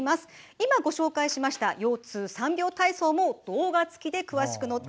今ご紹介しました腰痛３秒体操も動画つきで詳しく載っています。